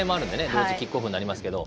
同時キックオフになりますけど。